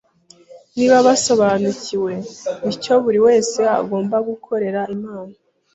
Niba basobanukiwe n’icyo buri wese agomba gukorera Imana,